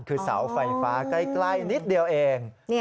คือเสาไฟฟ้าใกล้นิดเดียวเอง